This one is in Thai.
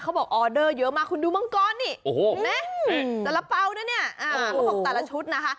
เขาบอกออเดอร์เยอะมากคุณดูมังกรนี่แสระเป๋านะเนี้ยตัดละชุดนะคะ